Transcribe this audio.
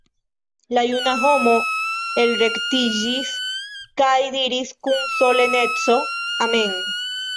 La juna homo elrektiĝis kaj diris kun soleneco: -- Amen!